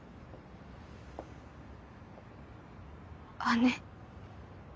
姉？